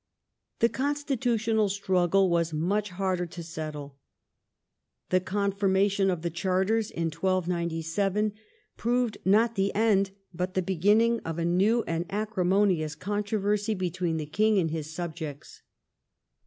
The constitutional struggle was much harder to settle. The Confirmation of the Charters in 1297 proved not the end, but the beginning of a new and acrimonious controversy between the king and his subjects.